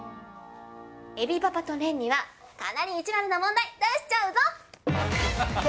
えびパパとレンには、かなり意地悪な問題、出しちゃうぞ。